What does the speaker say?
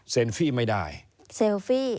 เซลฟี่ไม่ได้